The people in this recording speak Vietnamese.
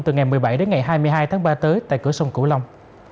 từ ngày một mươi bảy đến ngày hai mươi hai tháng ba tới tại cửa sông cửu long